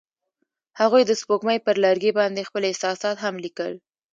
هغوی د سپوږمۍ پر لرګي باندې خپل احساسات هم لیکل.